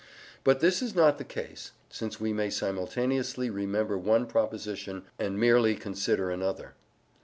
But this is not the case, since we may simultaneously remember one proposition and merely consider another.